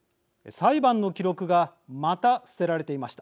裁判の記録がまた捨てられていました。